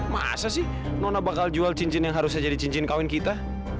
masa sih nona bakal jual cincin yang harusnya jadi cincin kawin kita